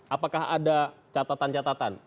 apakah ada catatan catatan